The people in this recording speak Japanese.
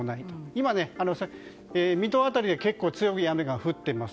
今、水戸辺りで結構強い雨が降っています。